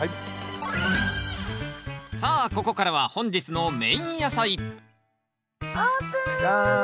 さあここからは本日のメイン野菜オープン！